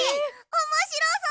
おもしろそう！